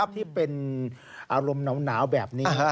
ที่เป็นอารมณ์หนาวแบบนี้